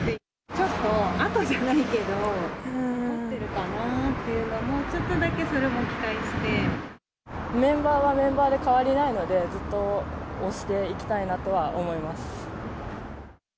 ちょっと、跡じゃないけど、残ってるかなっていうのも、ちょっとだけそれもメンバーはメンバーで変わりないので、ずっと推していきたいなとは思います。